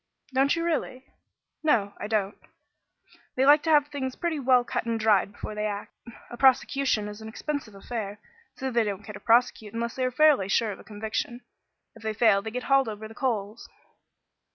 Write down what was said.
"Don't you really?" "No, I don't. They like to have things pretty well cut and dried before they act. A prosecution is an expensive affair, so they don't care to prosecute unless they are fairly sure of a conviction. If they fail they get hauled over the coals."